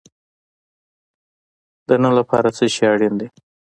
د نن لپاره څه شی اړین دی؟